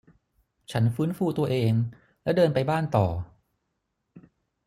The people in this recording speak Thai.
ฉันฟื้นฟูตัวเองและเดินไปบ้านต่อ